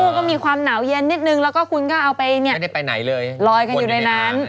ก็มีความหนาวเย็นนิดนึงแล้วก็คุณก็เอาไปลอยกันอยู่ในนั้น